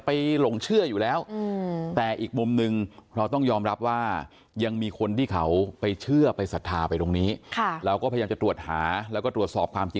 ผมเชื่อว่าหลายคนก็ต้องมองเรื่องนี้ว่าโอ้โห